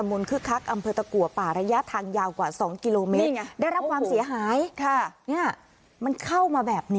คลื่นแรงโดยเฉพาะภาคใต้และภาคตะวันอกเนี่ยนะคะ